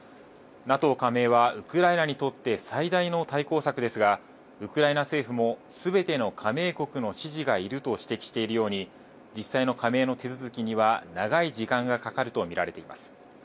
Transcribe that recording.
ＮＡＴＯ加盟はウクライナにとって最大の対抗策ですが、ウクライナ政府も、すべての加盟国の支持がいると指摘しているように、実際の加盟の手続きには、長い時間がかかると見られています。